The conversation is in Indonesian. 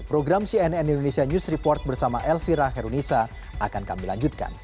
program cnn indonesia news report bersama elvira herunisa akan kami lanjutkan